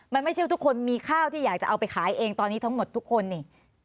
มันไม่ใช่ว่าทุกคนมีข้าวที่อยากจะเอาไปขายเองตอนนี้ทั้งหมดทุกคนนี่